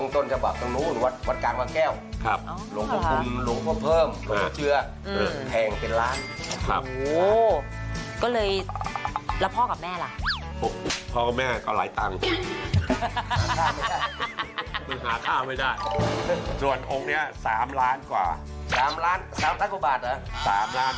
ทำไมต้องเป็นยอดทงอายุทยา